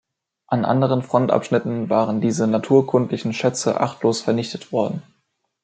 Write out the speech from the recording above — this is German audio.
An anderen Front-Abschnitten waren diese naturkundlichen Schätze achtlos vernichtet worden.